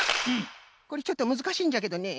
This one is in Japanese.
これちょっとむずかしいんじゃけどねえ